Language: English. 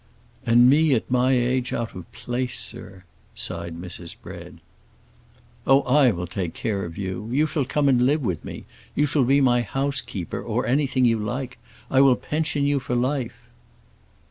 "And me at my age out of place, sir!" sighed Mrs. Bread. "Oh, I will take care of you! You shall come and live with me. You shall be my housekeeper, or anything you like. I will pension you for life."